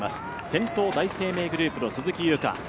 先頭は第一生命グループの鈴木優花。